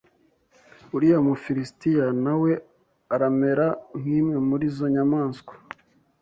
Uriya Mufilisitiya na we aramera nk’imwe muri izo nyamaswa.